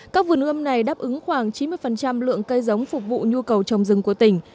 các vườn ươm này đáp ứng khoảng chín mươi lượng cây giống phục vụ nhu cầu trồng rừng của tỉnh